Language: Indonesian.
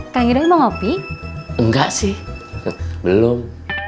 kaget mau ngopi enggak sih belum